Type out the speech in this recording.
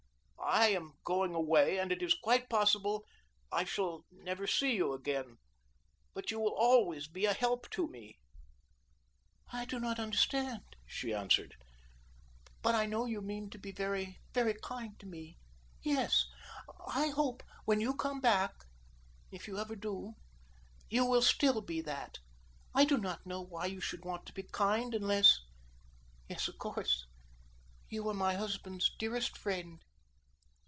I am going away and it is quite possible I shall never see you again, but you will always be a help to me." "I do not understand," she answered, "but I know you mean to be very, very kind to me. Yes, I hope when you come back if you ever do you will still be that. I do not know why you should want to be so kind, unless yes, of course you were my husband's dearest friend."